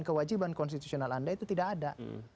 kewajiban konstitusional anda itu tidak ada